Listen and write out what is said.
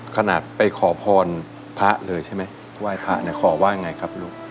ขนาดไปขอพรพระเลยใช่ไหมว่าพระขอว่าไงครับลูก